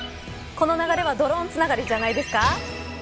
この流れは、ドローンつながりじゃないですか。